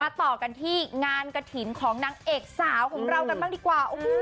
ต่อกันที่งานกระถิ่นของนางเอกสาวของเรากันบ้างดีกว่า